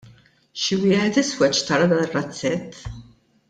Xi wieħed iswed xtara dar-razzett.